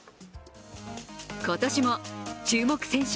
今年も注目選手